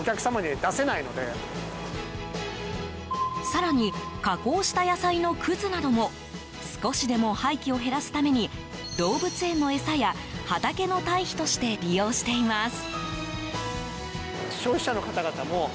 更に加工した野菜のくずなども少しでも廃棄を減らすために動物園の餌や畑の堆肥として利用しています。